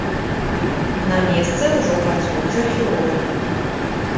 На месцы ўжо працуюць археолагі.